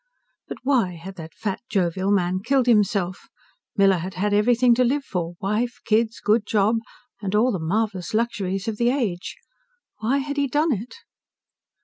But why had that fat, jovial man killed himself? Miller had had everything to live for wife, kids, good job, and all the marvelous luxuries of the age. Why had he done it?